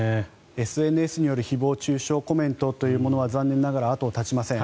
ＳＮＳによる誹謗・中傷コメントというものは残念ながら後を絶ちません。